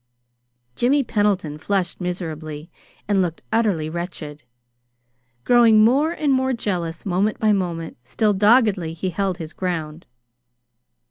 Jimmy Pendleton flushed miserably and looked utterly wretched. Growing more and more jealous moment by moment, still doggedly he held his ground.